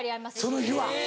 その日は。